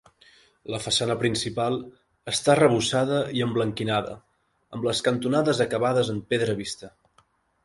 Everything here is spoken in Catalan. La façana principal està arrebossada i emblanquinada, amb les cantonades acabades en pedra vista.